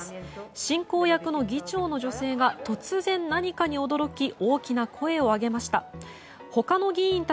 進行役の議長の女性が突然、何かに驚き大きな声を上げました。